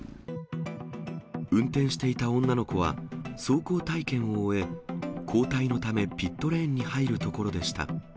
運転していた女の子は、走行体験を終え、交代のためピットレーンに入るところでした。